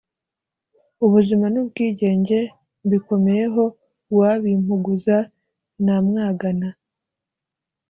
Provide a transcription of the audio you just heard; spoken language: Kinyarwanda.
Ubuzima n’ubwigenge mbikomeyeho, Uwabimpuguza namwagana;.